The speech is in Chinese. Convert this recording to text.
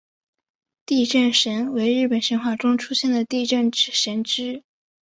地震神为日本神话中出现的地震神只。